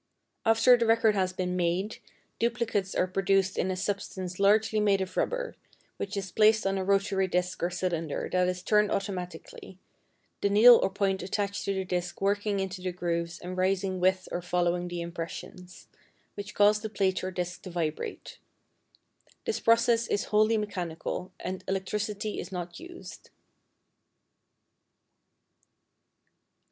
After the record has been made, duplicates are produced in a substance largely made of rubber, which is placed on a rotary disc or cylinder that is turned automatically, the needle or point attached to the disc working into the grooves and rising with or following the impressions, which cause the plate or disc to vibrate. The process is wholly mechanical, and electricity is not used.